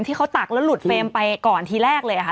ที่เขาตักแล้วหลุดเฟรมไปก่อนทีแรกเลยค่ะ